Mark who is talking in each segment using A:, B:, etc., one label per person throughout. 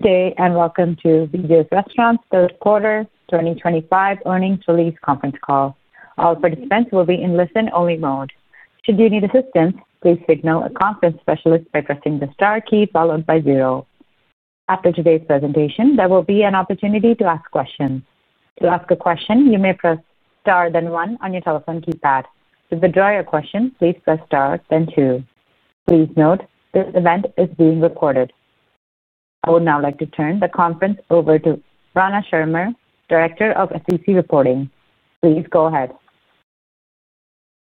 A: Good day and welcome to BJ's Restaurants, third quarter 2025 earnings conference call. All participants will be in listen-only mode. Should you need assistance, please signal a conference specialist by pressing the star key followed by zero. After today's presentation, there will be an opportunity to ask questions. To ask a question, you may press star then one on your telephone keypad. To withdraw your question, please press star then two. Please note this event is being recorded. I would now like to turn the conference over to Rana Schirmer, Director of SEC Reporting. Please go ahead.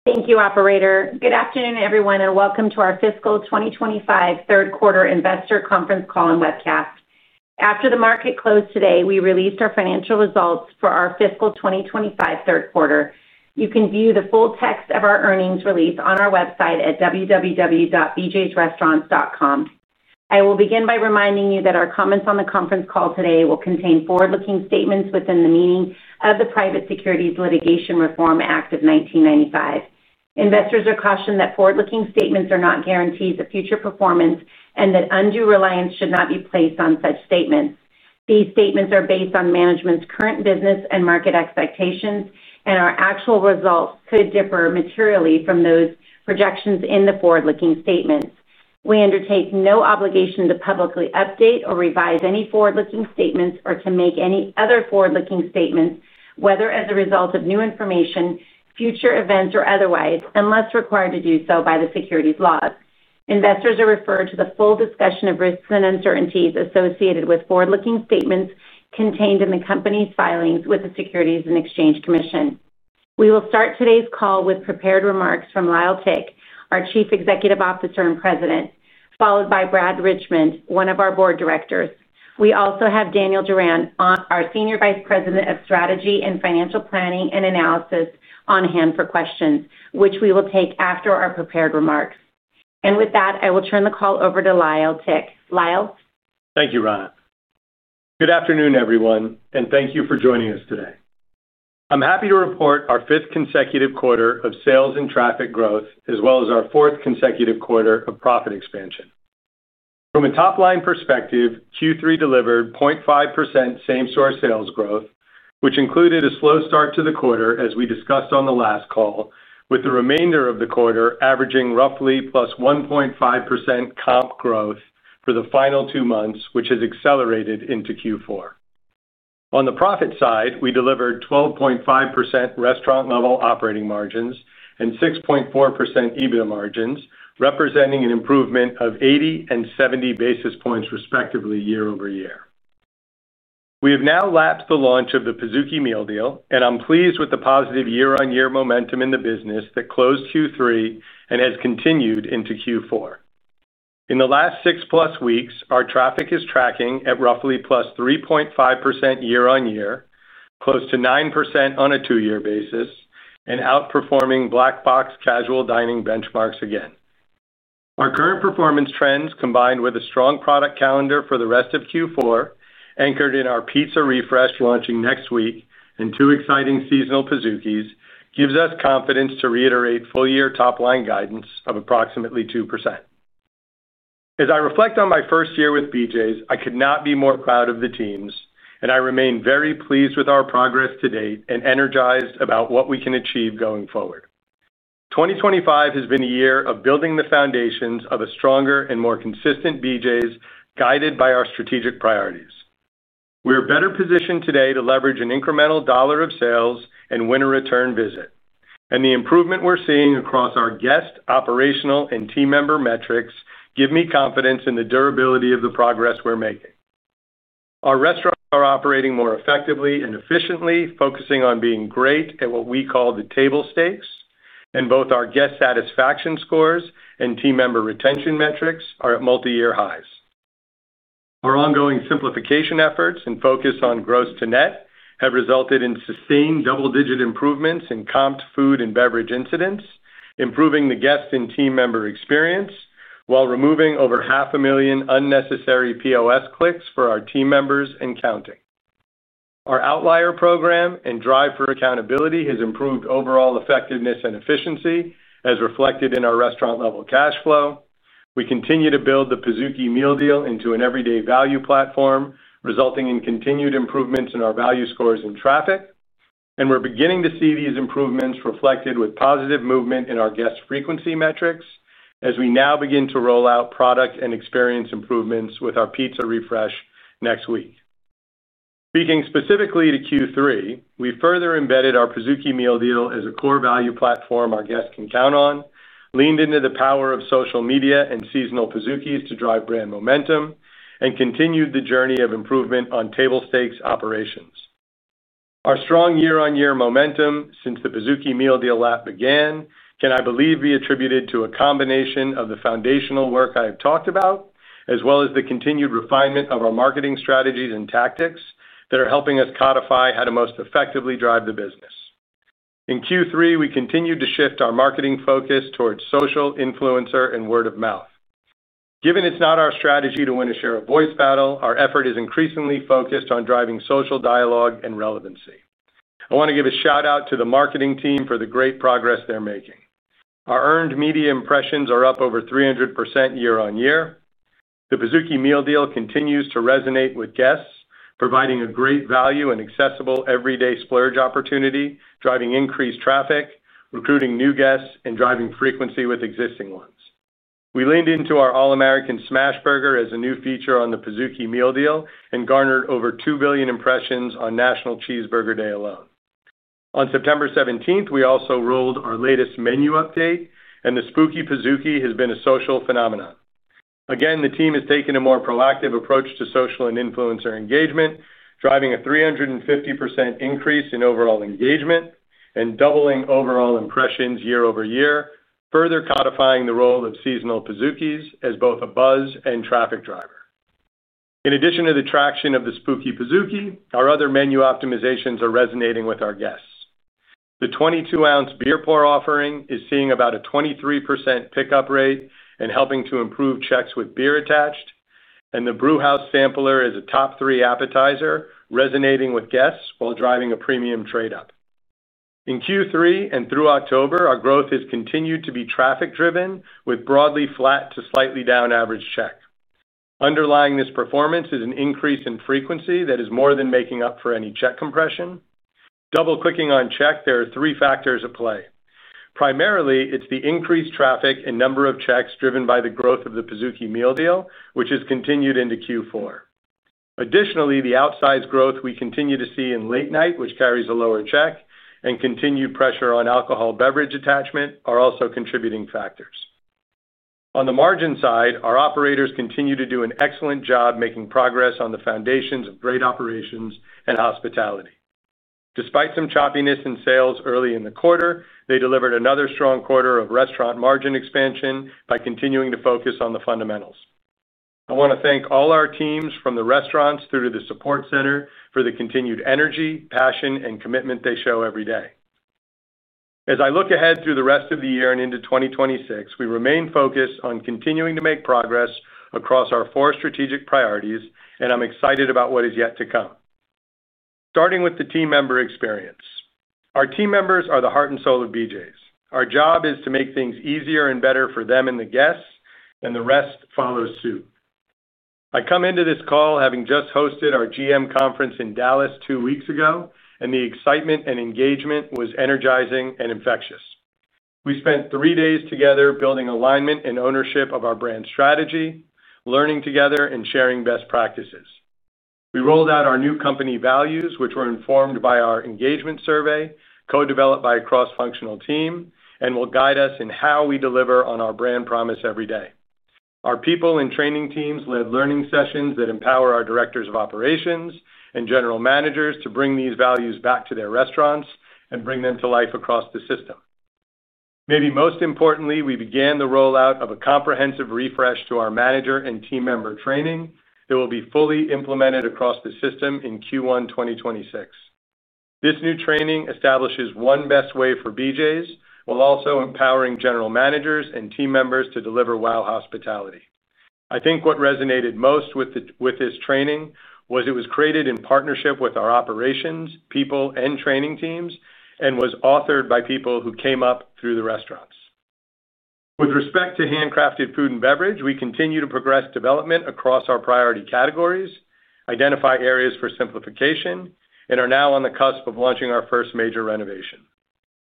B: Thank you, Operator. Good afternoon, everyone, and welcome to our fiscal 2025 third quarter investor conference call and webcast. After the market closed today, we released our financial results for our fiscal 2025 third quarter. You can view the full text of our earnings release on our website at www.bjsrestaurants.com. I will begin by reminding you that our comments on the conference call today will contain forward-looking statements within the meaning of the Private Securities Litigation Reform Act of 1995. Investors are cautioned that forward-looking statements are not guarantees of future performance and that undue reliance should not be placed on such statements. These statements are based on management's current business and market expectations, and our actual results could differ materially from those projections in the forward-looking statements. We undertake no obligation to publicly update or revise any forward-looking statements or to make any other forward-looking statements, whether as a result of new information, future events, or otherwise, unless required to do so by the securities laws. Investors are referred to the full discussion of risks and uncertainties associated with forward-looking statements contained in the company's filings with the Securities and Exchange Commission. We will start today's call with prepared remarks from Lyle Tick, our Chief Executive Officer and President, followed by Brad Richmond, one of our Board Directors. We also have Daniel Duran, our Senior Vice President of Strategy and Financial Planning and Analysis, on hand for questions, which we will take after our prepared remarks. With that, I will turn the call over to Lyle Tick. Lyle.
C: Thank you, Rana. Good afternoon, everyone, and thank you for joining us today. I'm happy to report our fifth consecutive quarter of sales and traffic growth, as well as our fourth consecutive quarter of profit expansion. From a top-line perspective, Q3 delivered 0.5% same-store sales growth, which included a slow start to the quarter, as we discussed on the last call, with the remainder of the quarter averaging roughly +1.5% comp growth for the final two months, which has accelerated into Q4. On the profit side, we delivered 12.5% restaurant-level operating margins and 6.4% adjusted EBITDA margins, representing an improvement of 80 and 70 basis points, respectively, year-over-year. We have now lapsed the launch of the Pizookie Meal Deal, and I'm pleased with the positive year-on-year momentum in the business that closed Q3 and has continued into Q4. In the last six-plus weeks, our traffic is tracking at roughly +3.5% year-on-year, close to 9% on a two-year basis, and outperforming Black Box casual dining benchmarks again. Our current performance trends, combined with a strong product calendar for the rest of Q4, anchored in our pizza refresh launching next week and two exciting seasonal Pizookies, gives us confidence to reiterate full-year top-line guidance of approximately 2%. As I reflect on my first year with BJ's Restaurants, I could not be more proud of the teams, and I remain very pleased with our progress to date and energized about what we can achieve going forward. 2025 has been a year of building the foundations of a stronger and more consistent BJ's, guided by our strategic priorities. We are better positioned today to leverage an incremental dollar of sales and win a return visit, and the improvement we're seeing across our guest, operational, and team member metrics gives me confidence in the durability of the progress we're making. Our restaurants are operating more effectively and efficiently, focusing on being great at what we call the table stakes, and both our guest satisfaction scores and team member retention metrics are at multi-year highs. Our ongoing simplification initiatives and focus on gross to net have resulted in sustained double-digit improvements in comped food and beverage incidents, improving the guest and team member experience while removing over half a million unnecessary POS clicks for our team members and counting. Our outlier program and drive for accountability has improved overall effectiveness and efficiency, as reflected in our restaurant-level cash flow. We continue to build the Pizookie Meal Deal into an everyday value platform, resulting in continued improvements in our value scores and traffic, and we're beginning to see these improvements reflected with positive movement in our guest frequency metrics as we now begin to roll out product and experience improvements with our pizza refresh next week. Speaking specifically to Q3, we further embedded our Pizookie Meal Deal as a core value platform our guests can count on, leaned into the power of social media and seasonal Pizookies to drive brand momentum, and continued the journey of improvement on table stakes operations. Our strong year-on-year momentum since the Pizookie Meal Deal lap began can, I believe, be attributed to a combination of the foundational work I have talked about, as well as the continued refinement of our marketing strategies and tactics that are helping us codify how to most effectively drive the business. In Q3, we continued to shift our marketing focus towards social, influencer, and word of mouth. Given it's not our strategy to win a share of voice battle, our effort is increasingly focused on driving social dialogue and relevancy. I want to give a shout-out to the marketing team for the great progress they're making. Our earned media impressions are up over 300% year-on-year. The Pizookie Meal Deal continues to resonate with guests, providing a great value and accessible everyday splurge opportunity, driving increased traffic, recruiting new guests, and driving frequency with existing ones. We leaned into our All-American Smash Burger as a new feature on the Pizookie Meal Deal and garnered over 2 billion impressions on National Cheeseburger Day alone. On September 17th, we also rolled our latest menu update, and the Spooky Pizookie has been a social phenomenon. Again, the team has taken a more proactive approach to social and influencer engagement, driving a 350% increase in overall engagement and doubling overall impressions year-over-year, further codifying the role of seasonal Pizookies as both a buzz and traffic driver. In addition to the traction of the Spooky Pizookie, our other menu optimizations are resonating with our guests. The 22 oz beer pour offering is seeing about a 23% pickup rate and helping to improve checks with beer attached, and the brewhouse sampler is a top-three appetizer, resonating with guests while driving a premium trade-up. In Q3 and through October, our growth has continued to be traffic-driven, with broadly flat to slightly down average check. Underlying this performance is an increase in frequency that is more than making up for any check compression. Double-clicking on check, there are three factors at play. Primarily, it's the increased traffic and number of checks driven by the growth of the Pizookie Meal Deal, which has continued into Q4. Additionally, the outsized growth we continue to see in late night, which carries a lower check, and continued pressure on alcohol beverage attachment are also contributing factors. On the margin side, our operators continue to do an excellent job making progress on the foundations of great operations and hospitality. Despite some choppiness in sales early in the quarter, they delivered another strong quarter of restaurant margin expansion by continuing to focus on the fundamentals. I want to thank all our teams, from the restaurants through to the support center, for the continued energy, passion, and commitment they show every day. As I look ahead through the rest of the year and into 2026, we remain focused on continuing to make progress across our four strategic priorities, and I'm excited about what is yet to come. Starting with the team member experience. Our team members are the heart and soul of BJ's. Our job is to make things easier and better for them and the guests, and the rest follows suit. I come into this call having just hosted our GM conference in Dallas two weeks ago, and the excitement and engagement was energizing and infectious. We spent three days together building alignment and ownership of our brand strategy, learning together, and sharing best practices. We rolled out our new company values, which were informed by our engagement survey, co-developed by a cross-functional team, and will guide us in how we deliver on our brand promise every day. Our people and training teams led learning sessions that empower our Directors of Operations and General Managers to bring these values back to their restaurants and bring them to life across the system. Maybe most importantly, we began the rollout of a comprehensive refresh to our manager and team member training that will be fully implemented across the system in Q1 2026. This new training establishes one best way for BJ's, while also empowering General Managers and team members to deliver well hospitality. I think what resonated most with this training was it was created in partnership with our Operations, People, and Training teams, and was authored by people who came up through the restaurants. With respect to handcrafted food and beverage, we continue to progress development across our priority categories, identify areas for simplification, and are now on the cusp of launching our first major renovation.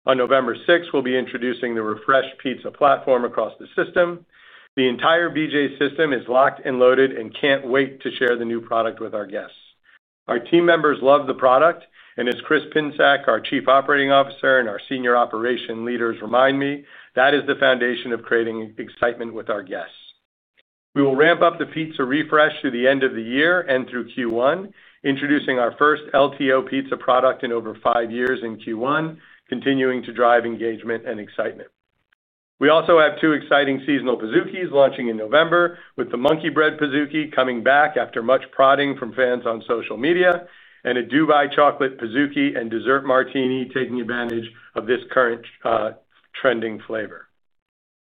C: On November 6th, we'll be introducing the refreshed pizza platform across the system. The entire BJ's system is locked and loaded and can't wait to share the new product with our guests. Our team members love the product, and as Chris Pinsak, our Chief Operating Officer, and our Senior Operation Leaders remind me, that is the foundation of creating excitement with our guests. We will ramp up the pizza refresh through the end of the year and through Q1, introducing our first LTO pizza product in over five years in Q1, continuing to drive engagement and excitement. We also have two exciting seasonal Pizookies launching in November, with the Monkey Bread Pizookie coming back after much prodding from fans on social media, and a Dubai Chocolate Pizookie and Dessert Martini taking advantage of this current trending flavor.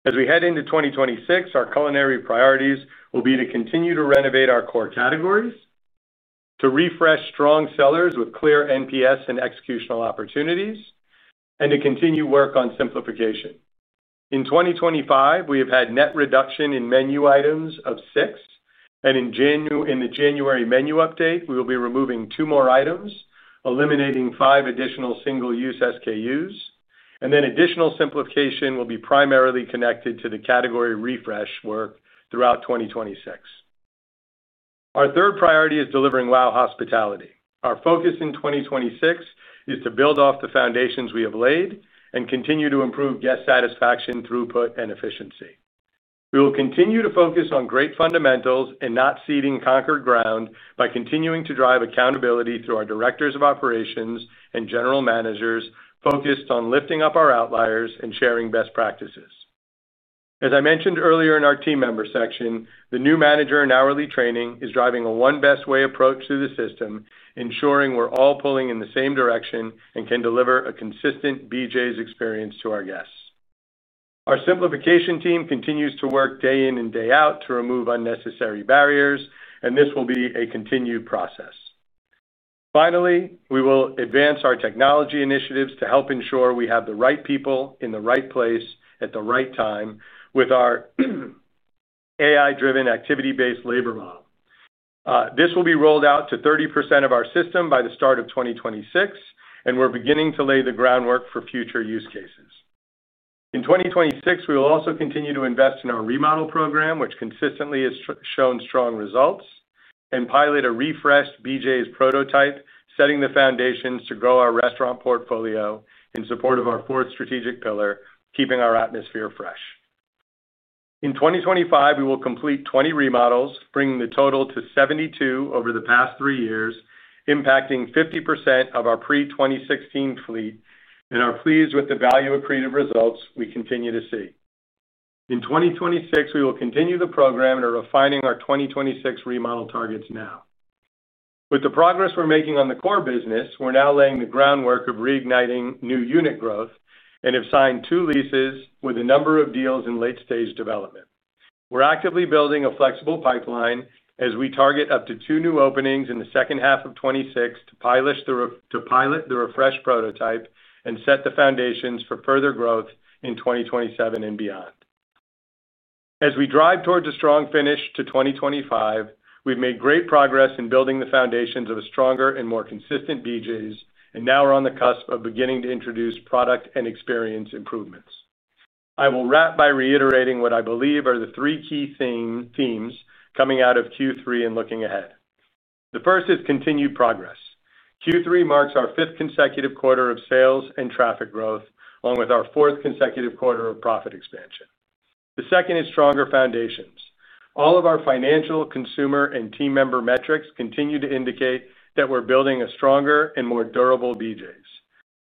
C: As we head into 2026, our culinary priorities will be to continue to renovate our core categories, to refresh strong sellers with clear NPS and executional opportunities, and to continue work on simplification. In 2025, we have had net reduction in menu items of six, and in the January menu update, we will be removing two more items, eliminating five additional single-use SKUs, and then additional simplification will be primarily connected to the category refresh work throughout 2026. Our third priority is delivering well hospitality. Our focus in 2026 is to build off the foundations we have laid and continue to improve guest satisfaction, throughput, and efficiency. We will continue to focus on great fundamentals and not ceding conquered ground by continuing to drive accountability through our Directors of Operations and General Managers focused on lifting up our outliers and sharing best practices. As I mentioned earlier in our team member section, the new manager in hourly training is driving a one-best-way approach through the system, ensuring we're all pulling in the same direction and can deliver a consistent BJ's experience to our guests. Our simplification team continues to work day in and day out to remove unnecessary barriers, and this will be a continued process. Finally, we will advance our technology initiatives to help ensure we have the right people in the right place at the right time with our AI-driven activity-based labor model. This will be rolled out to 30% of our system by the start of 2026, and we're beginning to lay the groundwork for future use cases. In 2026, we will also continue to invest in our remodel program, which consistently has shown strong results, and pilot a refreshed BJ's prototype, setting the foundations to grow our restaurant portfolio in support of our fourth strategic pillar, keeping our atmosphere fresh. In 2025, we will complete 20 remodels, bringing the total to 72 over the past three years, impacting 50% of our pre-2016 fleet, and are pleased with the value of creative results we continue to see. In 2026, we will continue the program and are refining our 2026 remodel targets now. With the progress we're making on the core business, we're now laying the groundwork of reigniting new unit growth and have signed two leases with a number of deals in late-stage development. We're actively building a flexible pipeline as we target up to two new openings in the second half of 2026 to pilot the refresh prototype and set the foundations for further growth in 2027 and beyond. As we drive towards a strong finish to 2025, we've made great progress in building the foundations of a stronger and more consistent BJ's, and now we're on the cusp of beginning to introduce product and experience improvements. I will wrap by reiterating what I believe are the three key themes coming out of Q3 and looking ahead. The first is continued progress. Q3 marks our fifth consecutive quarter of sales and traffic growth, along with our fourth consecutive quarter of profit expansion. The second is stronger foundations. All of our financial, consumer, and team member metrics continue to indicate that we're building a stronger and more durable BJ's.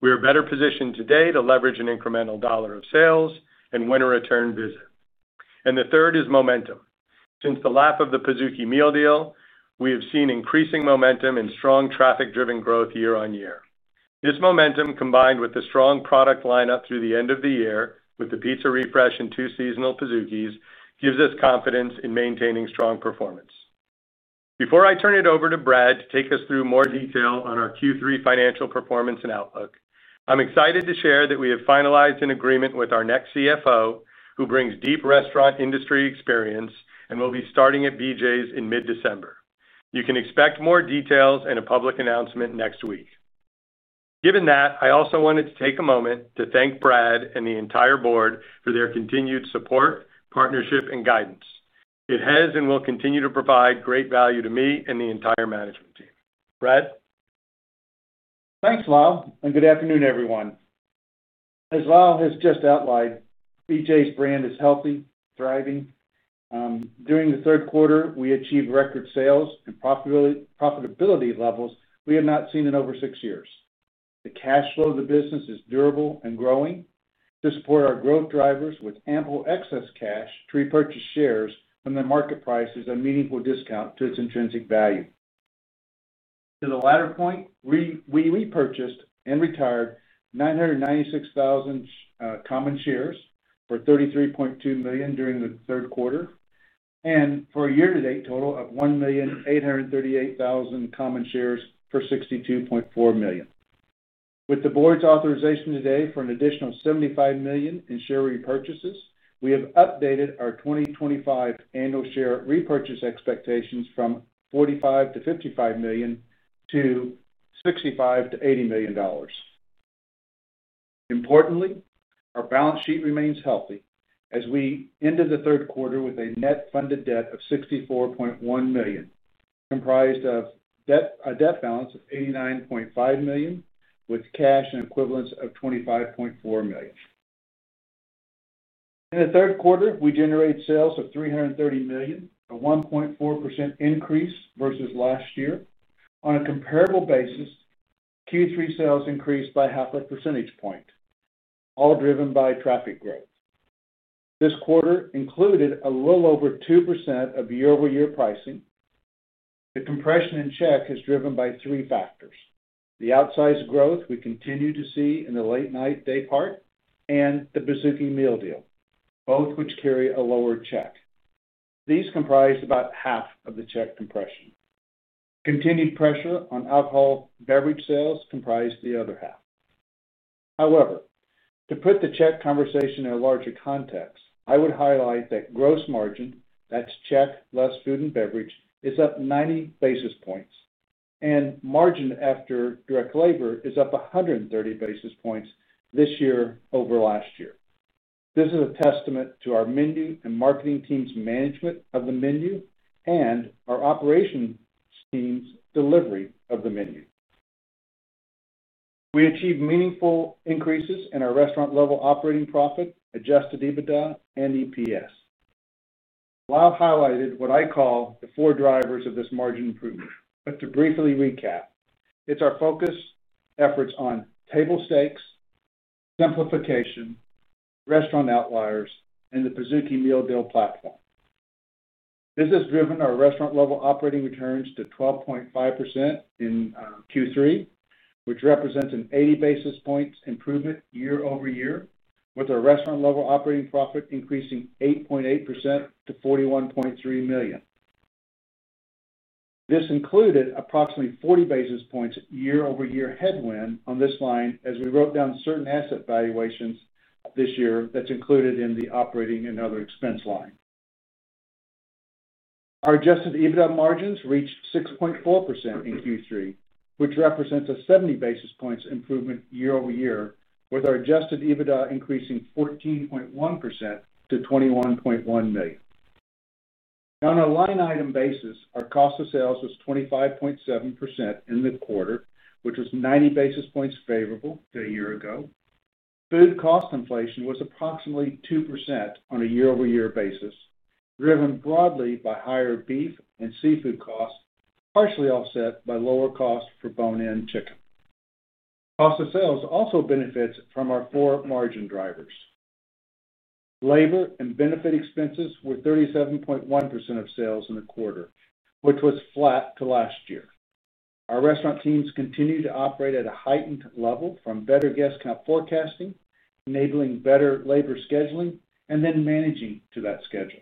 C: We are better positioned today to leverage an incremental dollar of sales and win a return visit. The third is momentum. Since the lap of the Pizookie Meal Deal, we have seen increasing momentum and strong traffic-driven growth year on year. This momentum, combined with the strong product lineup through the end of the year with the pizza refresh and two seasonal Pizookies, gives us confidence in maintaining strong performance. Before I turn it over to Brad to take us through more detail on our Q3 financial performance and outlook, I'm excited to share that we have finalized an agreement with our next CFO, who brings deep restaurant industry experience and will be starting at BJ's in mid-December. You can expect more details and a public announcement next week. Given that, I also wanted to take a moment to thank Brad and the entire board for their continued support, partnership, and guidance. It has and will continue to provide great value to me and the entire management team. Brad.
D: Thanks, Lyle, and good afternoon, everyone. As Lyle has just outlined, BJ's brand is healthy, thriving. During the third quarter, we achieved record sales and profitability levels we have not seen in over six years. The cash flow of the business is durable and growing to support our growth drivers with ample excess cash to repurchase shares when the market price is a meaningful discount to its intrinsic value. To the latter point, we repurchased and retired 996,000 common shares for $33.2 million during the third quarter and for a year-to-date total of 1,838,000 common shares for $62.4 million. With the board's authorization today for an additional $75 million in share repurchases, we have updated our 2025 annual share repurchase expectations from $45 million-$55 million to $65 million-$80 million. Importantly, our balance sheet remains healthy as we ended the third quarter with a net funded debt of $64.1 million, comprised of a debt balance of $89.5 million with cash and equivalents of $25.4 million. In the third quarter, we generated sales of $330 million, a 1.4% increase versus last year. On a comparable basis, Q3 sales increased by half a percentage point, all driven by traffic growth. This quarter included a little over 2% of year-over-year pricing. The compression in check is driven by three factors: the outsized growth we continue to see in the late-night day part and the Pizookie Meal Deal, both of which carry a lower check. These comprise about half of the check compression. Continued pressure on alcohol beverage sales comprises the other half. However, to put the check conversation in a larger context, I would highlight that gross margin, that's check less food and beverage, is up 90 basis points, and margin after direct labor is up 130 basis points this year over last year. This is a testament to our menu and marketing team's management of the menu and our operations team's delivery of the menu. We achieved meaningful increases in our restaurant-level operating profit, adjusted EBITDA, and EPS. Lyle highlighted what I call the four drivers of this margin improvement. To briefly recap, it's our focused efforts on table stakes, simplification initiatives, the outlier program, and the Pizookie Meal Deal platform. This has driven our restaurant-level operating returns to 12.5% in Q3, which represents an 80 basis points improvement year-over-year, with our restaurant-level operating profit increasing 8.8% to $41.3 million. This included approximately 40 basis points year-over-year headwind on this line as we wrote down certain asset valuations this year that's included in the operating and other expense line. Our adjusted EBITDA margins reached 6.4% in Q3, which represents a 70 basis points improvement year-over-year, with our adjusted EBITDA increasing 14.1% to $21.1 million. On a line item basis, our cost of sales was 25.7% in the quarter, which was 90 basis points favorable to a year ago. Food cost inflation was approximately 2% on a year-over-year basis, driven broadly by higher beef and seafood costs, partially offset by lower costs for bone-in chicken. Cost of sales also benefits from our four margin drivers. Labor and benefit expenses were 37.1% of sales in the quarter, which was flat to last year. Our restaurant teams continue to operate at a heightened level from better guest count forecasting, enabling better labor scheduling, and then managing to that schedule.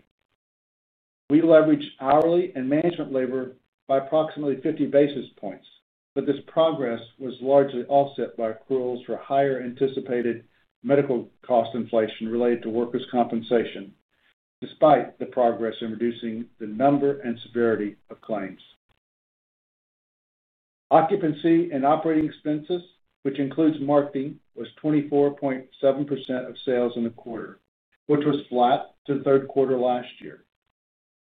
D: We leverage hourly and management labor by approximately 50 basis points, but this progress was largely offset by accruals for higher anticipated medical cost inflation related to workers' compensation, despite the progress in reducing the number and severity of claims. Occupancy and operating expenses, which includes marketing, was 24.7% of sales in the quarter, which was flat to the third quarter last year.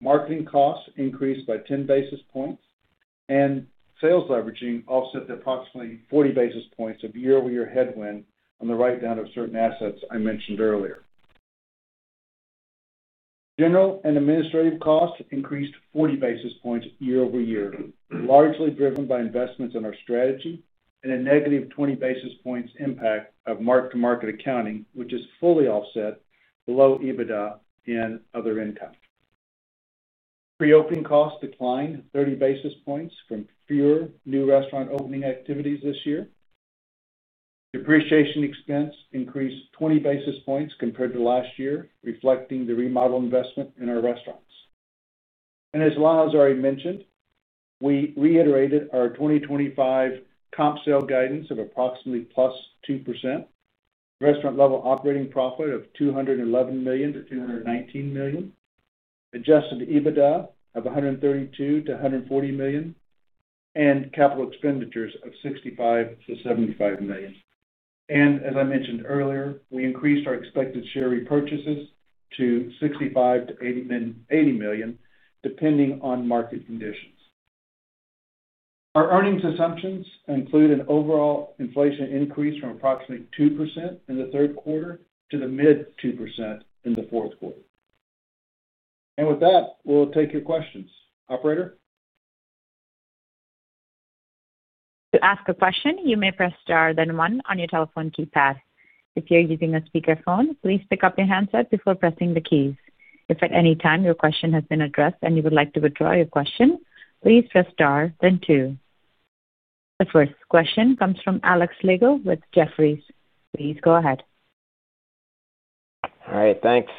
D: Marketing costs increased by 10 basis points, and sales leveraging offset approximately 40 basis points of year-over-year headwind on the write-down of certain assets I mentioned earlier. General and administrative costs increased 40 basis points year-over-year, largely driven by investments in our strategy and a negative 20 basis points impact of mark-to-market accounting, which is fully offset below EBITDA and other income. Pre-opening costs declined 30 basis points from fewer new restaurant opening activities this year. Depreciation expense increased 20 basis points compared to last year, reflecting the remodel investment in our restaurants. As Lyle has already mentioned, we reiterated our 2025 comp sales guidance of approximately +2%. Restaurant-level operating profit of $211 million-$219 million, adjusted EBITDA of $132 million-$140 million, and capital expenditures of $65 million-$75 million. As I mentioned earlier, we increased our expected share repurchases to $65 million-$80 million, depending on market conditions. Our earnings assumptions include an overall inflation increase from approximately 2% in the third quarter to the mid-2% in the fourth quarter. With that, we'll take your questions. Operator?
A: To ask a question, you may press star then one on your telephone keypad. If you're using a speakerphone, please pick up your handset before pressing the keys. If at any time your question has been addressed and you would like to withdraw your question, please press star then two. The first question comes from Alex Slagle with Jefferies. Please go ahead. All right. Thanks.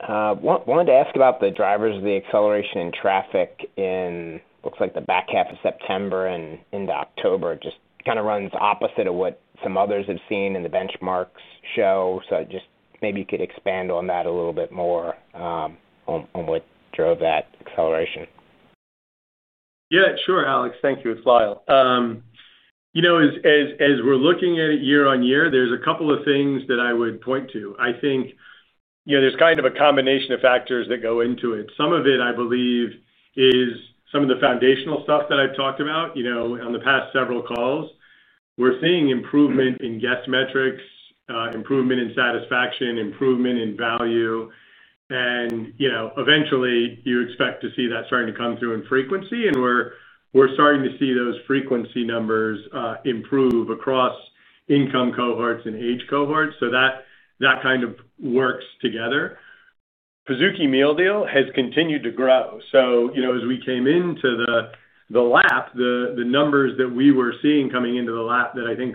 E: I wanted to ask about the drivers of the acceleration in traffic in, looks like, the back half of September and into October. It just kind of runs opposite of what some others have seen and the benchmarks show. Maybe you could expand on that a little bit more. On what drove that acceleration.
C: Yeah. Sure, Alex. Thank you, Lyle. As we're looking at it year on year, there's a couple of things that I would point to. I think there's kind of a combination of factors that go into it. Some of it, I believe, is some of the foundational stuff that I've talked about on the past several calls. We're seeing improvement in guest metrics, improvement in satisfaction, improvement in value. Eventually, you expect to see that starting to come through in frequency. We're starting to see those frequency numbers improve across income cohorts and age cohorts. That kind of works together. Pizookie Meal Deal has continued to grow. As we came into the. Lap, the numbers that we were seeing coming into the lap that I think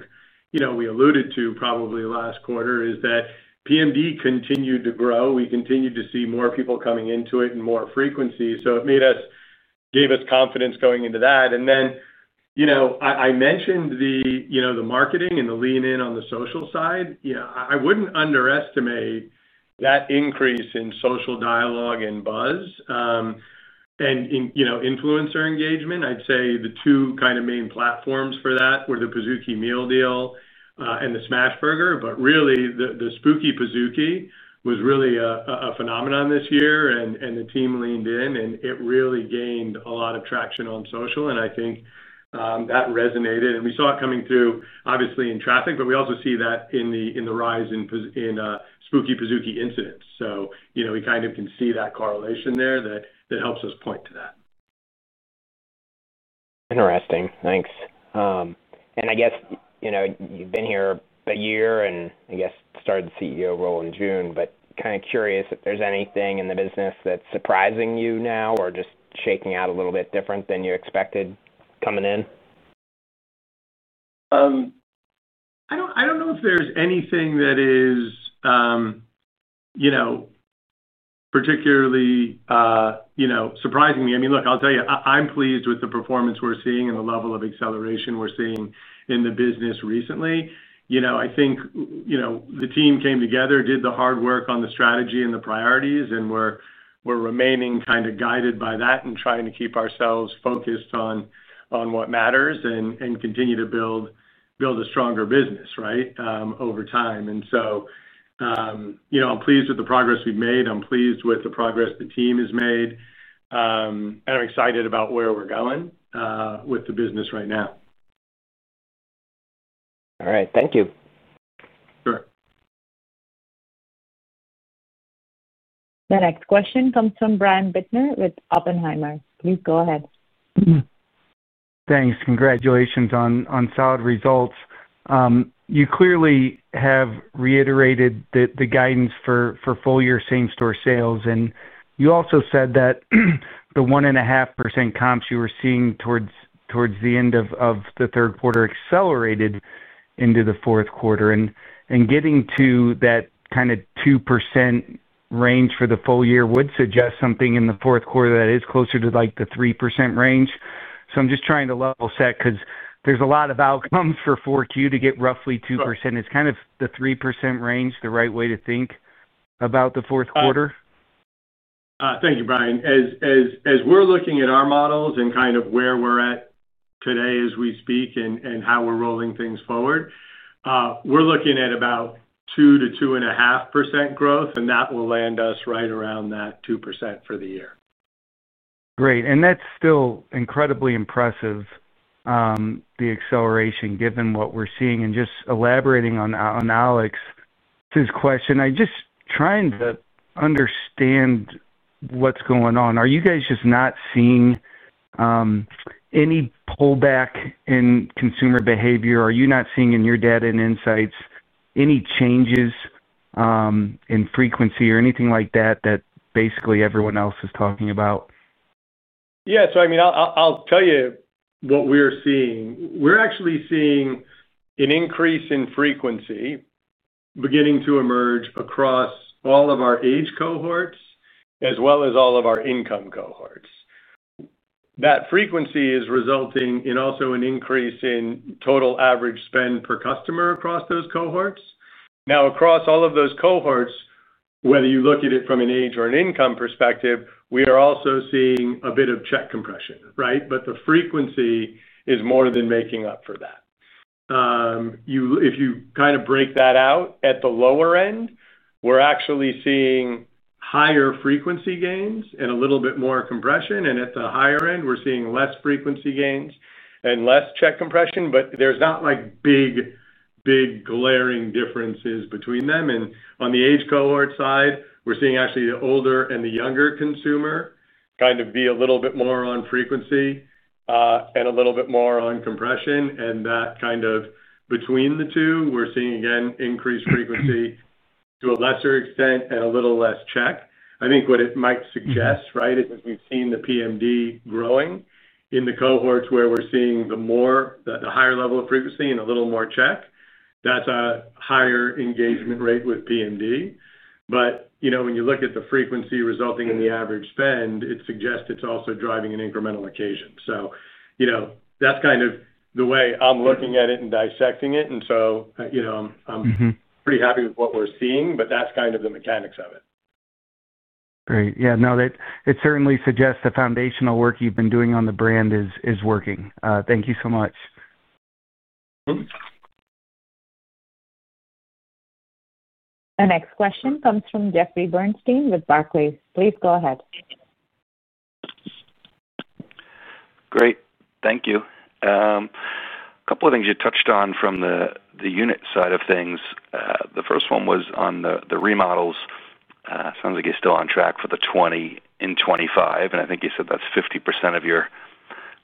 C: we alluded to probably last quarter is that PMD continued to grow. We continued to see more people coming into it in more frequency. It gave us confidence going into that. I mentioned the marketing and the lean-in on the social side. I wouldn't underestimate that increase in social dialogue and buzz, and influencer engagement. I'd say the two kind of main platforms for that were the Pizookie Meal Deal and the Smash Burger. Really, the Spooky Pizookie was really a phenomenon this year. The team leaned in, and it really gained a lot of traction on social. I think that resonated. We saw it coming through, obviously, in traffic, but we also see that in the rise in Spooky Pizookie incidents. We kind of can see that correlation there that helps us point to that.
E: Interesting. Thanks. I guess you've been here a year and, I guess, started the CEO role in June, but kind of curious if there's anything in the business that's surprising you now or just shaking out a little bit different than you expected coming in.
C: I don't know if there's anything that is particularly surprising me. I mean, look, I'll tell you, I'm pleased with the performance we're seeing and the level of acceleration we're seeing in the business recently. I think the team came together, did the hard work on the strategy and the priorities, and we're remaining kind of guided by that and trying to keep ourselves focused on what matters and continue to build a stronger business, right, over time. I'm pleased with the progress we've made. I'm pleased with the progress the team has made. I'm excited about where we're going with the business right now.
E: All right. Thank you.
C: Sure.
A: The next question comes from Brian Bittner with Oppenheimer. Please go ahead.
F: Thanks. Congratulations on solid results. You clearly have reiterated the guidance for full-year same-store sales. You also said that the 1.5% comps you were seeing towards the end of the third quarter accelerated into the fourth quarter. Getting to that kind of 2% range for the full year would suggest something in the fourth quarter that is closer to the 3% range. I'm just trying to level set because there's a lot of outcomes for 4Q to get roughly 2%. Is kind of the 3% range the right way to think about the fourth quarter?
C: Thank you, Brian. As we're looking at our models and kind of where we're at today as we speak and how we're rolling things forward, we're looking at about 2%-2.5% growth, and that will land us right around that 2% for the year.
F: Great. That's still incredibly impressive, the acceleration, given what we're seeing. Just elaborating on Alex's question, I'm just trying to understand what's going on. Are you guys just not seeing any pullback in consumer behavior? Are you not seeing in your data and insights any changes in frequency or anything like that that basically everyone else is talking about?
C: Yeah. I mean, I'll tell you what we're seeing. We're actually seeing an increase in frequency beginning to emerge across all of our age cohorts as well as all of our income cohorts. That frequency is resulting in also an increase in total average spend per customer across those cohorts. Now, across all of those cohorts, whether you look at it from an age or an income perspective, we are also seeing a bit of check compression, right? The frequency is more than making up for that. If you kind of break that out at the lower end, we're actually seeing higher frequency gains and a little bit more compression, and at the higher end, we're seeing less frequency gains and less check compression. There's not big, big glaring differences between them. On the age cohort side, we're seeing actually the older and the younger consumer kind of be a little bit more on frequency and a little bit more on compression. That kind of between the two, we're seeing, again, increased frequency to a lesser extent and a little less check. I think what it might suggest, right, is as we've seen the PMD growing in the cohorts where we're seeing the higher level of frequency and a little more check, that's a higher engagement rate with PMD. When you look at the frequency resulting in the average spend, it suggests it's also driving an incremental occasion. That's kind of the way I'm looking at it and dissecting it. I'm pretty happy with what we're seeing, but that's kind of the mechanics of it.
F: Great. Yeah. No, it certainly suggests the foundational work you've been doing on the brand is working. Thank you so much.
A: The next question comes from Jeffrey Bernstein with Barclays. Please go ahead.
G: Great. Thank you. A couple of things you touched on from the unit side of things. The first one was on the remodels. Sounds like you're still on track for the 2020 and 2025. I think you said that's 50% of your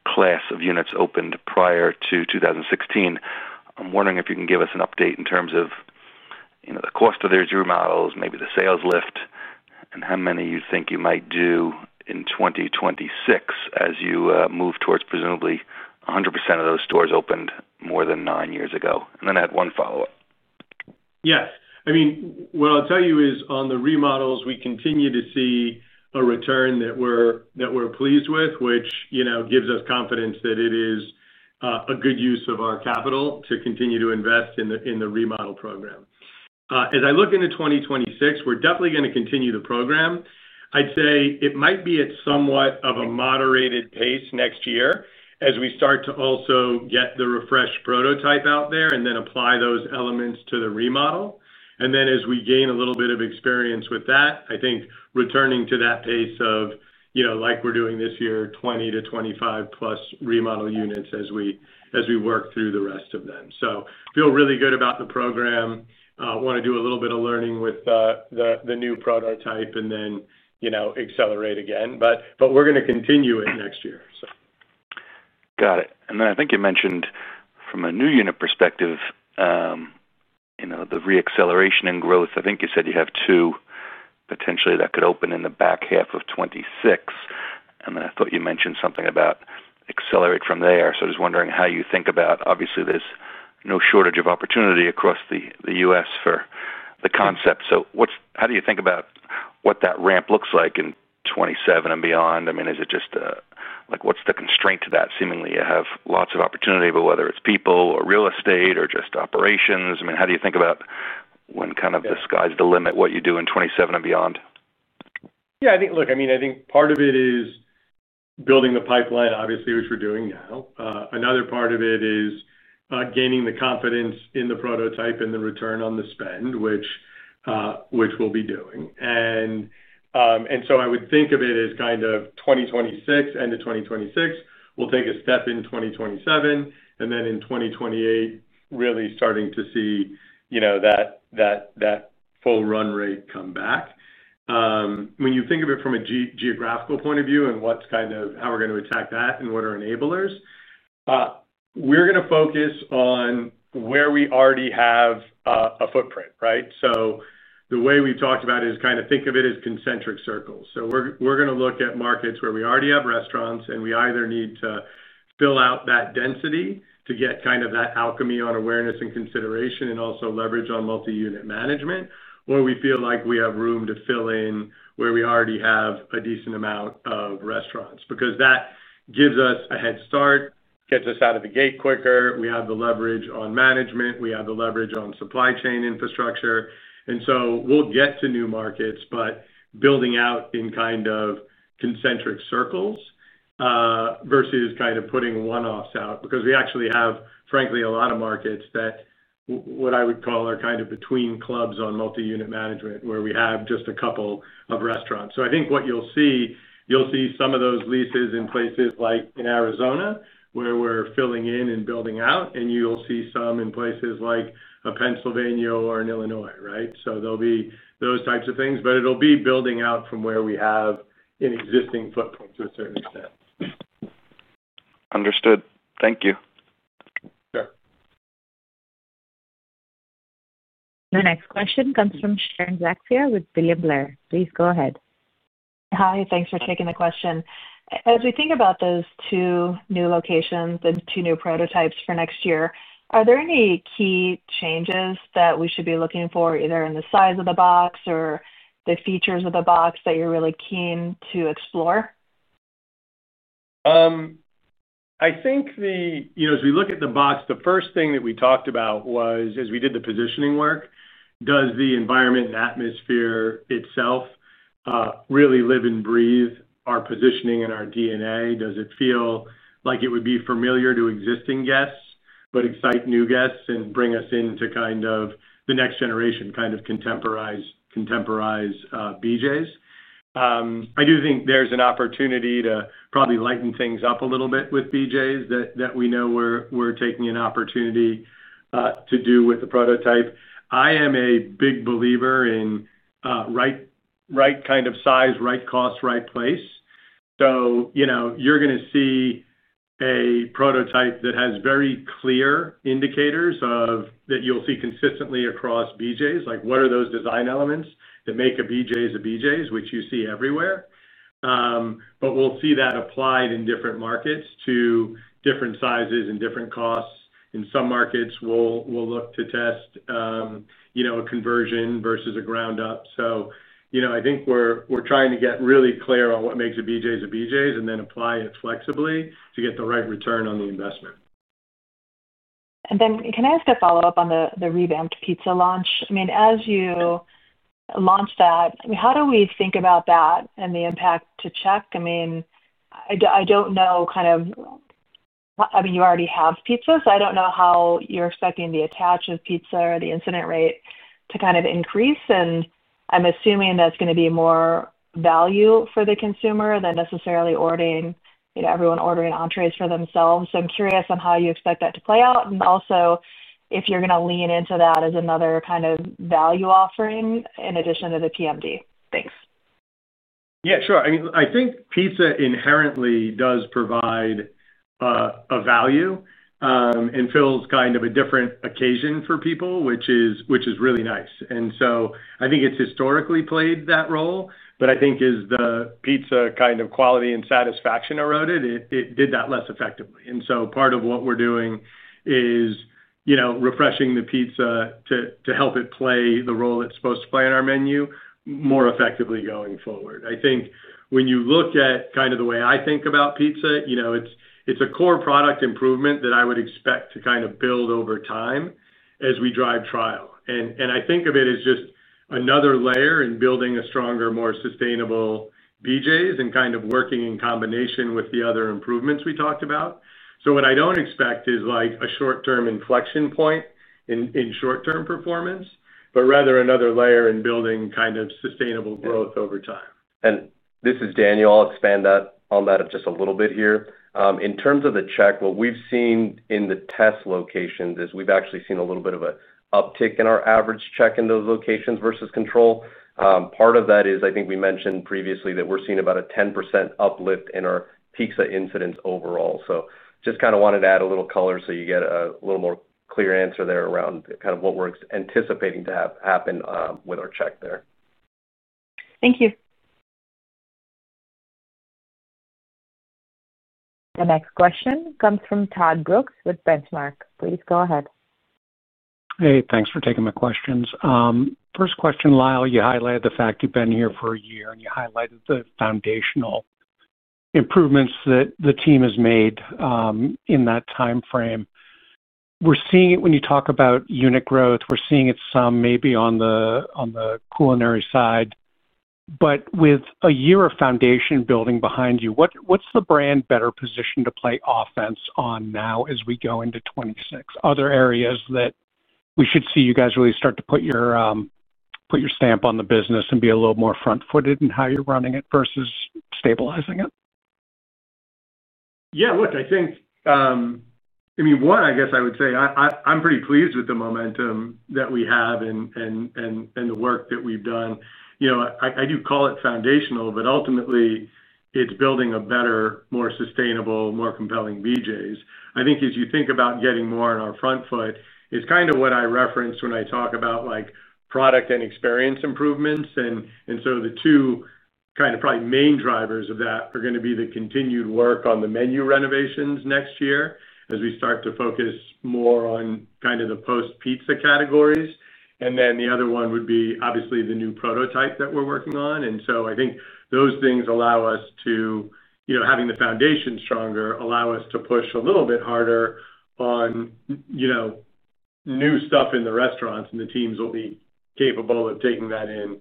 G: class of units opened prior to 2016. I'm wondering if you can give us an update in terms of the cost of those remodels, maybe the sales lift, and how many you think you might do in 2026 as you move towards presumably 100% of those stores opened more than nine years ago. I had one follow-up.
C: Yes. What I'll tell you is on the remodels, we continue to see a return that we're pleased with, which gives us confidence that it is a good use of our capital to continue to invest in the remodel program. As I look into 2026, we're definitely going to continue the program. It might be at somewhat of a moderated pace next year as we start to also get the refreshed prototype out there and then apply those elements to the remodel. As we gain a little bit of experience with that, I think returning to that pace of, like we're doing this year, 20 to 25+ remodel units as we work through the rest of them. I feel really good about the program. Want to do a little bit of learning with the new prototype and then accelerate again. We're going to continue it next year.
G: Got it. I think you mentioned from a new unit perspective the re-acceleration and growth. I think you said you have two potentially that could open in the back half of 2026. I thought you mentioned something about accelerate from there. I was wondering how you think about, obviously, there's no shortage of opportunity across the U.S. for the concept. How do you think about what that ramp looks like in 2027 and beyond? Is it just, what's the constraint to that? Seemingly, you have lots of opportunity, but whether it's people or real estate or just operations, how do you think about when kind of the sky's the limit what you do in 2027 and beyond?
C: Yeah. Part of it is building the pipeline, obviously, which we're doing now. Another part of it is gaining the confidence in the prototype and the return on the spend, which we'll be doing. I would think of it as kind of 2026, end of 2026. We'll take a step in 2027, and then in 2028, really starting to see that full run rate come back. When you think of it from a geographical point of view and how we're going to attack that and what are enablers, we're going to focus on where we already have a footprint, right? The way we've talked about it is kind of think of it as concentric circles. We're going to look at markets where we already have restaurants, and we either need to fill out that density to get kind of that alchemy on awareness and consideration and also leverage on multi-unit management, or we feel like we have room to fill in where we already have a decent amount of restaurants because that gives us a head start, gets us out of the gate quicker. We have the leverage on management. We have the leverage on supply chain infrastructure. We'll get to new markets, but building out in kind of concentric circles versus kind of putting one-offs out because we actually have, frankly, a lot of markets that, what I would call, are kind of between clubs on multi-unit management where we have just a couple of restaurants. I think what you'll see, you'll see some of those leases in places like in Arizona where we're filling in and building out, and you'll see some in places like Pennsylvania or in Illinois, right? There'll be those types of things, but it'll be building out from where we have an existing footprint to a certain extent.
G: Understood. Thank you.
A: The next question comes from Sharon Zackfia with William Blair. Please go ahead. Hi. Thanks for taking the question.
H: As we think about those two new locations and two new prototypes for next year, are there any key changes that we should be looking for, either in the size of the box or the features of the box that you're really keen to explore?
C: I think as we look at the box, the first thing that we talked about was, as we did the positioning work, does the environment and atmosphere itself really live and breathe our positioning and our DNA? Does it feel like it would be familiar to existing guests but excite new guests and bring us into kind of the next generation, kind of contemporize BJ's? I do think there's an opportunity to probably lighten things up a little bit with BJ's that we know we're taking an opportunity to do with the prototype. I am a big believer in right kind of size, right cost, right place. You're going to see a prototype that has very clear indicators that you'll see consistently across BJ's, like what are those design elements that make a BJ's a BJ's, which you see everywhere. We'll see that applied in different markets to different sizes and different costs. In some markets, we'll look to test a conversion versus a ground-up. I think we're trying to get really clear on what makes a BJ's a BJ's and then apply it flexibly to get the right return on the investment.
H: Can I ask a follow-up on the revamped pizza launch? As you launch that, how do we think about that and the impact to check? I don't know. You already have pizza, so I don't know how you're expecting the attach of pizza or the incident rate to increase. I'm assuming that's going to be more value for the consumer than necessarily everyone ordering entrees for themselves. I'm curious on how you expect that to play out and also if you're going to lean into that as another kind of value offering in addition to the PMD. Thanks.
C: Yeah, sure. I think pizza inherently does provide a value and fills a different occasion for people, which is really nice. I think it's historically played that role. As the pizza quality and satisfaction eroded, it did that less effectively. Part of what we're doing is refreshing the pizza to help it play the role it's supposed to play on our menu more effectively going forward. When you look at the way I think about pizza, it's a core product improvement that I would expect to build over time as we drive trial. I think of it as just another layer in building a stronger, more sustainable BJ's and working in combination with the other improvements we talked about. What I don't expect is a short-term inflection point in short-term performance, but rather another layer in building sustainable growth over time.
I: This is Daniel. I'll expand on that just a little bit here. In terms of the check, what we've seen in the test locations is we've actually seen a little bit of an uptick in our average check in those locations versus control. Part of that is, I think we mentioned previously, that we're seeing about a 10% uplift in our pizza incidents overall. I just wanted to add a little color so you get a more clear answer there around what we're anticipating to happen with our check there.
H: Thank you.
A: The next question comes from Todd Brooks with Benchmark. Please go ahead.
J: Hey, thanks for taking my questions. First question, Lyle, you highlighted the fact you've been here for a year, and you highlighted the foundational improvements that the team has made in that timeframe. We're seeing it when you talk about unit growth. We're seeing it some maybe on the culinary side. With a year of foundation building behind you, what's the brand better positioned to play offense on now as we go into 2026? Are there areas that we should see you guys really start to put your stamp on the business and be a little more front-footed in how you're running it versus stabilizing it?
C: Yeah. Look, I think, I mean, one, I guess I would say I'm pretty pleased with the momentum that we have and the work that we've done. I do call it foundational, but ultimately, it's building a better, more sustainable, more compelling BJ's. I think as you think about getting more on our front foot, it's kind of what I referenced when I talk about product and experience improvements. The two kind of probably main drivers of that are going to be the continued work on the menu renovations next year as we start to focus more on kind of the post-pizza categories. The other one would be, obviously, the new prototype that we're working on. I think those things allow us to, having the foundation stronger, allow us to push a little bit harder on new stuff in the restaurants, and the teams will be capable of taking that in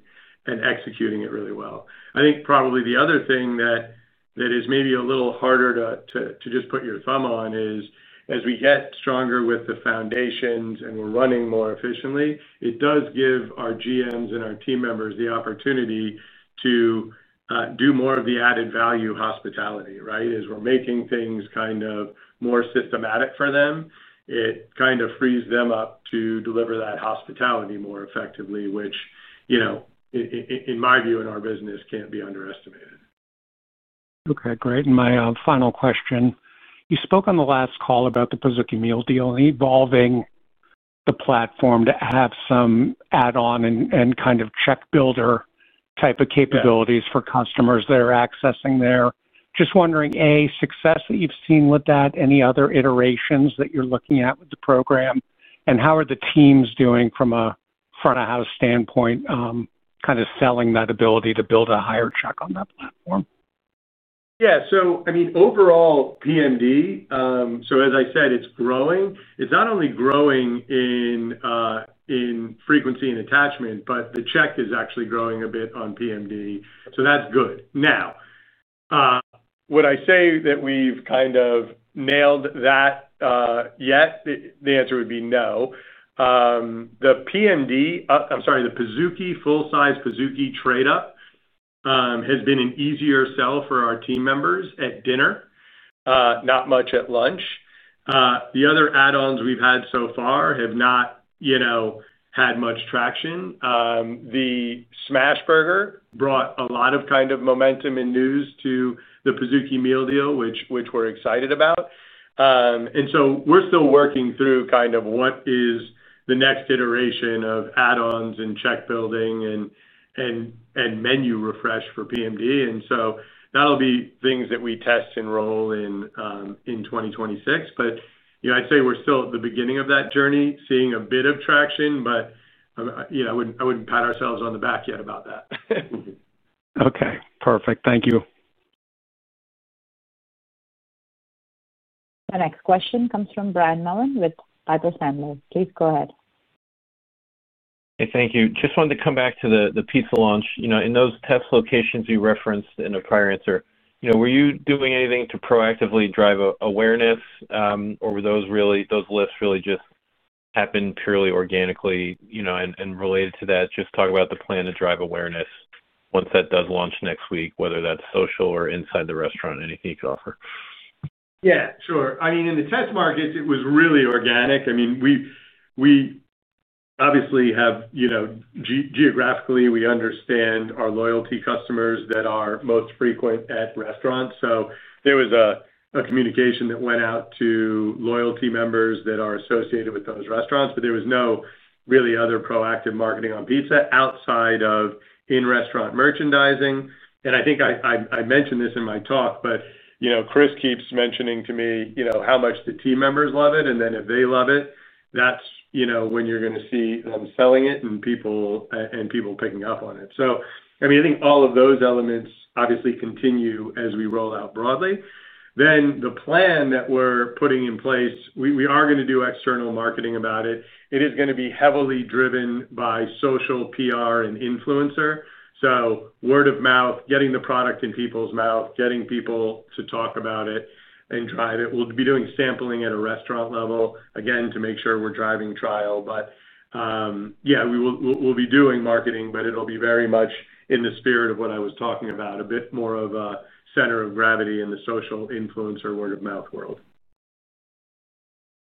C: and executing it really well. I think probably the other thing that is maybe a little harder to just put your thumb on is, as we get stronger with the foundations and we're running more efficiently, it does give our GMs and our team members the opportunity to do more of the added value hospitality, right? As we're making things kind of more systematic for them, it kind of frees them up to deliver that hospitality more effectively, which in my view, in our business, can't be underestimated.
J: Okay. Great. My final question. You spoke on the last call about the Pizookie Meal Deal and evolving the platform to have some add-on and kind of check builder type of capabilities for customers that are accessing there. Just wondering, A, success that you've seen with that, any other iterations that you're looking at with the program, and how are the teams doing from a front-of-house standpoint, kind of selling that ability to build a higher check on that platform?
C: Yeah. I mean, overall, PMD, as I said, it's growing. It's not only growing in frequency and attachment, but the check is actually growing a bit on PMD. That's good. Would I say that we've kind of nailed that yet? The answer would be no. The PMD, I'm sorry, the Full-Size Pizookie trade-up, has been an easier sell for our team members at dinner, not much at lunch. The other add-ons we've had so far have not had much traction. The Smash Burger brought a lot of kind of momentum and news to the Pizookie Meal Deal, which we're excited about. We're still working through kind of what is the next iteration of add-ons and check building and menu refresh for PMD. That'll be things that we test and roll in 2026. I'd say we're still at the beginning of that journey, seeing a bit of traction, but I wouldn't pat ourselves on the back yet about that.
J: Okay. Perfect. Thank you.
A: The next question comes from Brian Mullan with Piper Sandler. Please go ahead.
K: Hey, thank you. Just wanted to come back to the pizza launch. In those test locations you referenced in a prior answer, were you doing anything to proactively drive awareness, or were those lists really just happen purely organically? Related to that, just talk about the plan to drive awareness once that does launch next week, whether that's social or inside the restaurant, anything you could offer.
C: Yeah. Sure. In the test markets, it was really organic. We obviously have, geographically, we understand our loyalty customers that are most frequent at restaurants. There was a communication that went out to loyalty members that are associated with those restaurants, but there was no really other proactive marketing on pizza outside of in-restaurant merchandising. I think I mentioned this in my talk, but Chris keeps mentioning to me how much the team members love it. If they love it, that's when you're going to see them selling it and people picking up on it. I think all of those elements obviously continue as we roll out broadly. The plan that we're putting in place, we are going to do external marketing about it. It is going to be heavily driven by social, PR, and influencer. Word of mouth, getting the product in people's mouth, getting people to talk about it and drive it. We'll be doing sampling at a restaurant level, again, to make sure we're driving trial. We'll be doing marketing, but it'll be very much in the spirit of what I was talking about, a bit more of a center of gravity in the social influencer word-of-mouth world.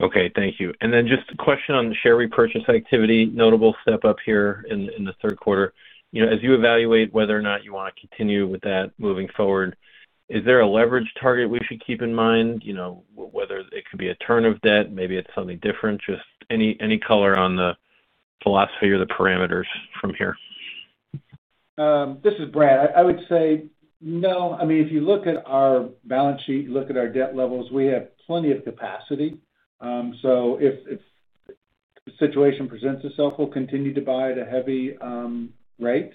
K: Okay. Thank you. Then just a question on share repurchase activity, notable step up here in the third quarter. As you evaluate whether or not you want to continue with that moving forward, is there a leverage target we should keep in mind? Whether it could be a turn of debt, maybe it's something different, just any color on the philosophy or the parameters from here?
D: This is Brad. I would say no. If you look at our balance sheet, you look at our debt levels, we have plenty of capacity. If the situation presents itself, we'll continue to buy at a heavy rate.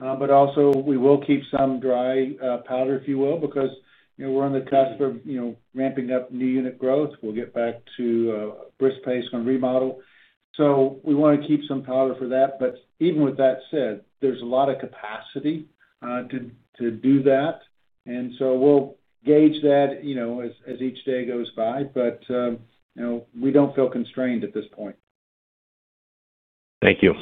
D: We will keep some dry powder, if you will, because we're on the cusp of ramping up new unit growth. We'll get back to a brisk pace on remodel. We want to keep some powder for that. Even with that said, there's a lot of capacity to do that. We'll gauge that as each day goes by. We don't feel constrained at this point.
K: Thank you.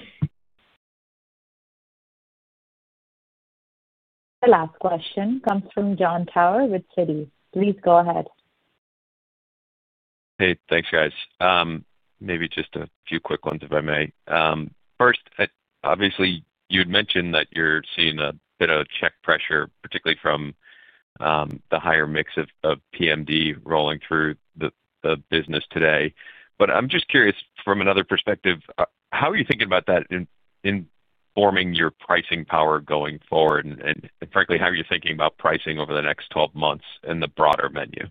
A: The last question comes from Jon Tower with Citi. Please go ahead.
L: Hey, thanks, guys. Maybe just a few quick ones, if I may. First, obviously, you had mentioned that you're seeing a bit of check pressure, particularly from the higher mix of PMD rolling through the business today. I'm just curious, from another perspective, how are you thinking about that in forming your pricing power going forward? Frankly, how are you thinking about pricing over the next 12 months and the broader menu?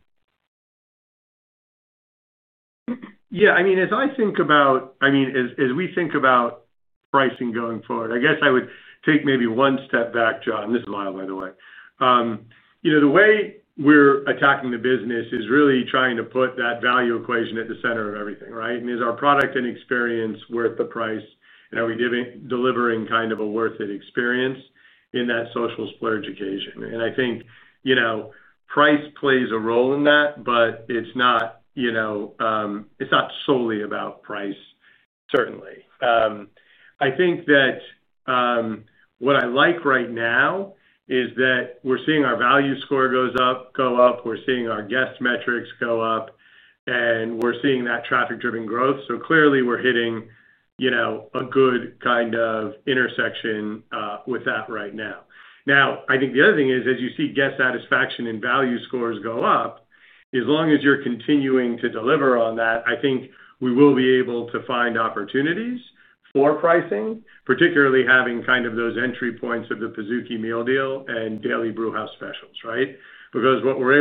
C: Yeah. As I think about, as we think about pricing going forward, I guess I would take maybe one step back, Jon. This is Lyle, by the way. The way we're attacking the business is really trying to put that value equation at the center of everything, right? Is our product and experience worth the price? Are we delivering kind of a worth it experience in that social splurge occasion? I think price plays a role in that, but it's not solely about price. Certainly, I think that what I like right now is that we're seeing our value score go up. We're seeing our guest metrics go up. We're seeing that traffic-driven growth. Clearly, we're hitting a good kind of intersection with that right now. I think the other thing is, as you see guest satisfaction and value scores go up, as long as you're continuing to deliver on that, I think we will be able to find opportunities for pricing, particularly having kind of those entry points of the Pizookie Meal Deal and Daily Brewhouse Specials, right? Because what we're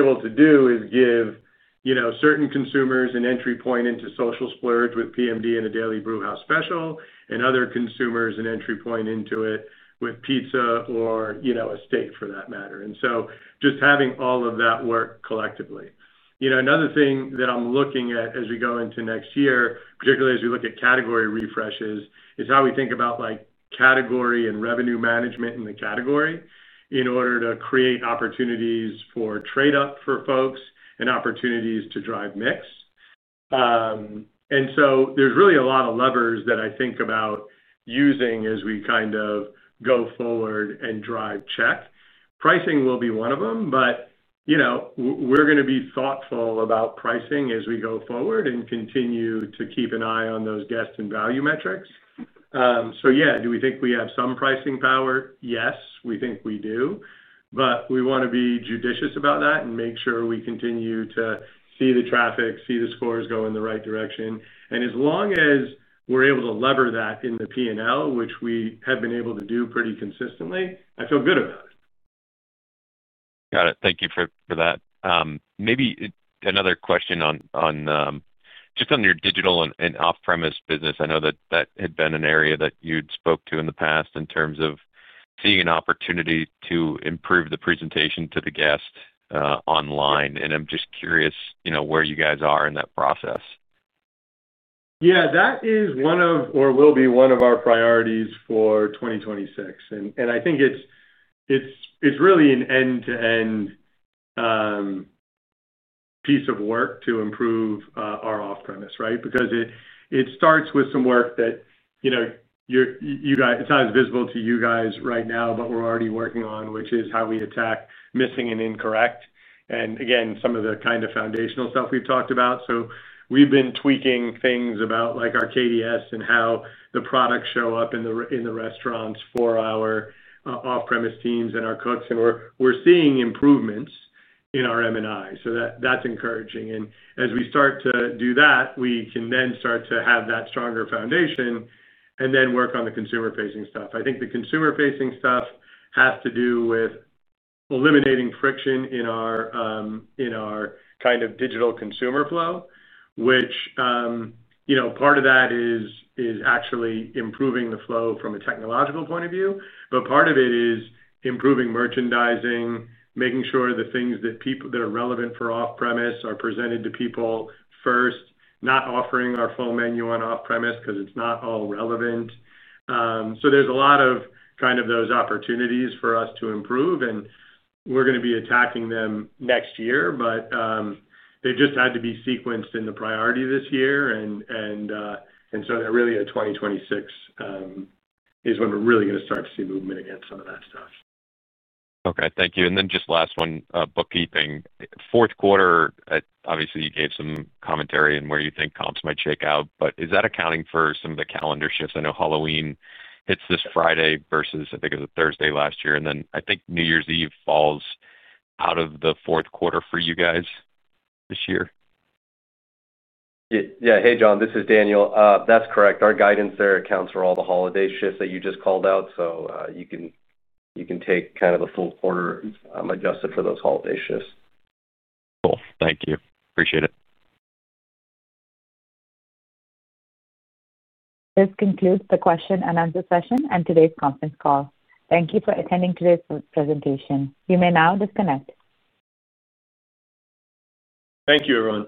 C: able to do is give. Certain consumers an entry point into social splurge with PMD and a Daily Brewhouse Special, and other consumers an entry point into it with pizza or a steak for that matter. Just having all of that work collectively. Another thing that I'm looking at as we go into next year, particularly as we look at category refreshes, is how we think about category and revenue management in the category in order to create opportunities for trade-up for folks and opportunities to drive mix. There's really a lot of levers that I think about using as we kind of go forward and drive check. Pricing will be one of them. We're going to be thoughtful about pricing as we go forward and continue to keep an eye on those guest and value metrics. Do we think we have some pricing power? Yes, we think we do. We want to be judicious about that and make sure we continue to see the traffic, see the scores go in the right direction. As long as we're able to lever that in the P&L, which we have been able to do pretty consistently, I feel good about it.
L: Got it. Thank you for that. Maybe another question. Just on your digital and off-premise business, I know that that had been an area that you'd spoke to in the past in terms of seeing an opportunity to improve the presentation to the guest online. I'm just curious where you guys are in that process.
C: Yeah. That is one of, or will be one of our priorities for 2026. I think it's really an end-to-end piece of work to improve our off-premise, right? It starts with some work that is not as visible to you guys right now, but we're already working on, which is how we attack missing and incorrect. Again, some of the kind of foundational stuff we've talked about. We've been tweaking things about our KDS and how the products show up in the restaurants for our off-premise teams and our cooks. We're seeing improvements in our M&I, so that's encouraging. As we start to do that, we can then start to have that stronger foundation and then work on the consumer-facing stuff. I think the consumer-facing stuff has to do with eliminating friction in our kind of digital consumer flow, which part of that is actually improving the flow from a technological point of view. Part of it is improving merchandising, making sure the things that are relevant for off-premise are presented to people first, not offering our full menu on off-premise because it's not all relevant. There are a lot of those opportunities for us to improve, and we are going to be attacking them next year. They just had to be sequenced in the priority this year. Really, 2026 is when we are really going to start to see movement against some of that stuff.
L: Okay. Thank you. Just last one, bookkeeping. Fourth quarter, obviously, you gave some commentary on where you think comps might shake out, but is that accounting for some of the calendar shifts? I know Halloween hits this Friday versus, I think it was a Thursday last year. I think New Year's Eve falls out of the fourth quarter for you guys this year.
I: Yeah. Hey, Jon, this is Daniel. That's correct. Our guidance there accounts for all the holiday shifts that you just called out. You can take the full quarter adjusted for those holiday shifts.
L: Cool. Thank you. Appreciate it.
A: This concludes the question and answer session and today's conference call. Thank you for attending today's presentation. You may now disconnect.
C: Thank you, everyone.